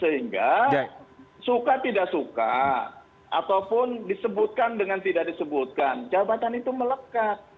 sehingga suka tidak suka ataupun disebutkan dengan tidak disebutkan jabatan itu melekat